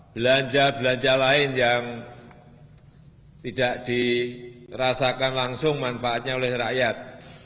belanja belanja lain yang tidak dirasakan langsung manfaatnya oleh rakyat